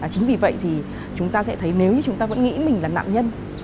chính vì vậy thì chúng ta sẽ thấy nếu như chúng ta vẫn nghĩ mình là nạn nhân